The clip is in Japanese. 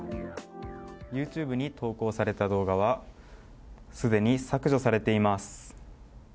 ＹｏｕＴｕｂｅに投稿された動画はすでに削除されています。